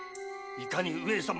いかに上様とて